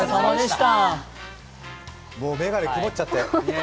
もう眼鏡曇っちゃって。